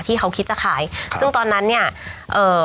ที่เขาคิดจะขายซึ่งตอนนั้นเนี้ยเอ่อ